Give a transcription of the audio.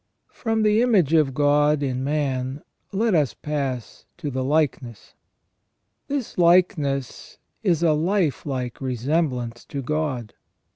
From the image of God in man let us pass to the likeness. This likeness is a life like resemblance to God.